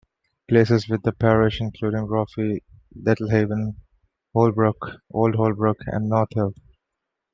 Places within the parish include Roffey, Littlehaven, Holbrook, Old Holbrook and North Heath.